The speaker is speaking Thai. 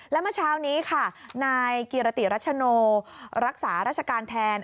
และเมื่อเช้านี้ค่ะนายกิรติรัชโนรักษาราชการแทน